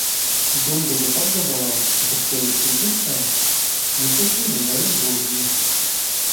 Dundagas apgabalā, bet sevišķi Ģipkā, mituši lieli burvji.